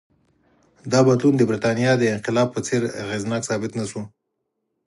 دا بدلون د برېټانیا د انقلاب په څېر اغېزناک ثابت نه شو.